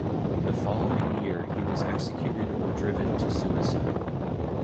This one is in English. The following year he was executed or driven to suicide.